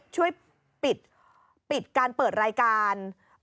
ช่วยปิดการเปิดรายการ